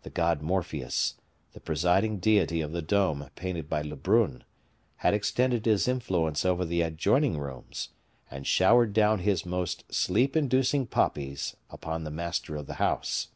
The god Morpheus, the presiding deity of the dome painted by Lebrun, had extended his influence over the adjoining rooms, and showered down his most sleep inducing poppies upon the master of the house.